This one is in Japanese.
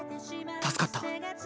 助かった。